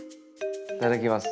いただきます。